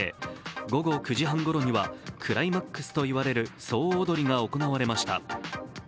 午後９時半ごろにはクライマックスといわれる総踊りが行われました。